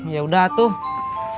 ya udah tuh